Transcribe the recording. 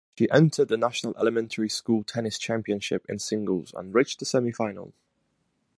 She entered the national elementary school tennis championship in singles and reached the semifinal.